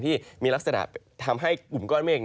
ที่มีลักษณะทำให้กลุ่มก้อนเมฆ